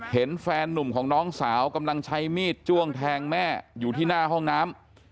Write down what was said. เห็นแฟนนุ่มของน้องสาวกำลังใช้มีดจ้วงแทงแม่อยู่ที่หน้าห้องน้ำ